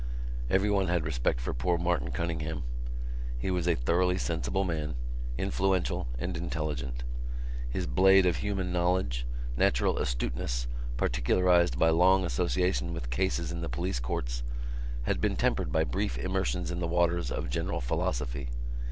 Everyone had respect for poor Martin Cunningham. He was a thoroughly sensible man, influential and intelligent. His blade of human knowledge, natural astuteness particularised by long association with cases in the police courts, had been tempered by brief immersions in the waters of general philosophy.